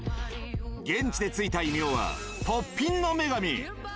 現地で付いた異名は、ポッピンの女神。